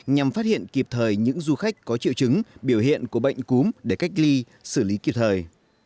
nhằm phát hiện kịp thời những du khách có triệu chứng biểu hiện của bệnh cúm để cách ly xử lý kịp thời